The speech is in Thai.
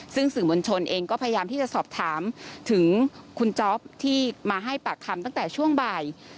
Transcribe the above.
ซึ่งสื่อมวลชนเองก็พยายามที่จะสอบถามถึงคุณจ๊อปที่มาให้ปากคำตั้งแต่ช่วงบ่าย